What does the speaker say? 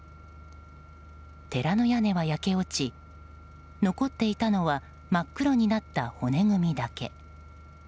寺の屋根は焼け落ち残っていたのは真っ黒になった骨組みだけ。